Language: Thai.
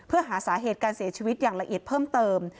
เพื่อหาสาเหตุการเสียชีวิตอย่างละเอียดเพิ่มเติม